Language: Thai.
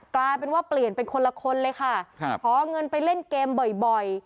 กลายเป็นว่าเปลี่ยนเป็นคนละคนเลยค่ะครับขอเงินไปเล่นเกมบ่อย